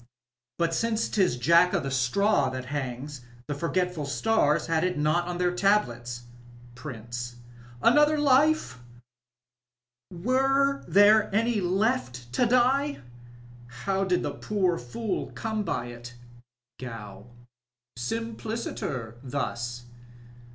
But since 'tis Jack of the Straw that hangs, the forgetful stars nad it not on their tablets. PRINCB. — ^Another luel Were there any left to die? How did the poor fool come by it ? Gow. — Simpliciter thus.